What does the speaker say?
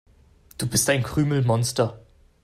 Du bist ein Krümelmonster.